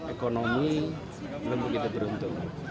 ekonomi belum begitu beruntung